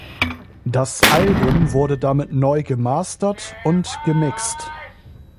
Das Album wurde damit neu gemastert und gemixt.